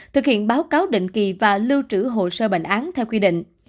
thực hiện báo cáo định kỳ và lưu trữ hồ sơ bệnh án theo quy định